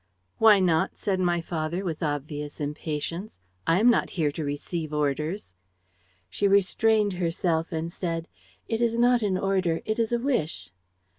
'Why not?' said my father, with obvious impatience. 'I am not here to receive orders.' She restrained herself and said, 'It is not an order, it is a wish.'